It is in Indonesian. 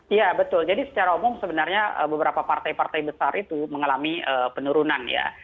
iya betul jadi secara umum sebenarnya beberapa partai partai besar itu mengalami penurunan ya